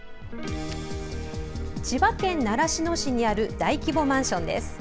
千葉県習志野市にある大規模マンションです。